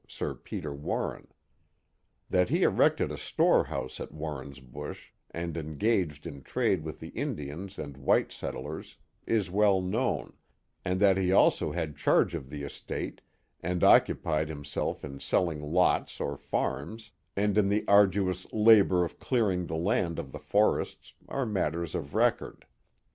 Sir Peter Warren, That he erected a storehouse at Warrensbush and engaged in Iradt: with the Indians and white settlers, is well known, and that he also had charge of the estate, and oc cupied himself in selling lots or farms, and in the arduous labor of clearing the land of the forests, are matters of record.